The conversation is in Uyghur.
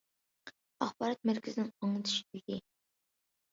ئاخبارات مەركىزىنىڭ ئاڭلىتىش ئۆيى.